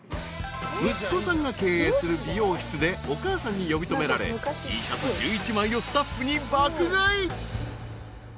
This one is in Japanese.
［息子さんが経営する美容室でお母さんに呼び止められスタッフに］